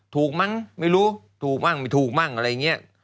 มั้งไม่รู้ถูกมั่งไม่ถูกมั่งอะไรอย่างนี้